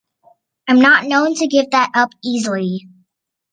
I’m not known to give up that easily.